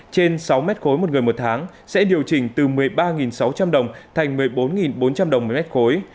trên sáu mét khối một người một tháng sẽ điều chỉnh từ một mươi ba sáu trăm linh đồng thành một mươi bốn bốn trăm linh đồng một mét khối